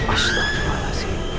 masya allah azim